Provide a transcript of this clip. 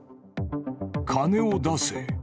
金を出せ。